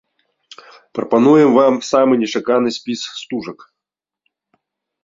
Прапануем вам самы нечаканы спіс стужак.